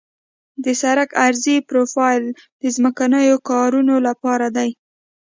د سړک عرضي پروفیل د ځمکنیو کارونو لپاره دی